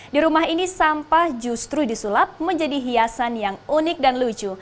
di rumah ini sampah justru disulap menjadi hiasan yang unik dan lucu